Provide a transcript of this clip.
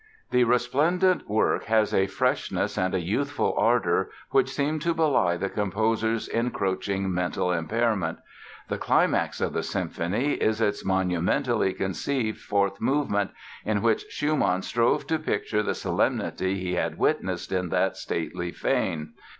The resplendent work has a freshness and a youthful ardor which seem to belie the composer's encroaching mental impairment. The climax of the symphony is its monumentally conceived fourth movement in which Schumann strove to picture the solemnity he had witnessed in that stately fane.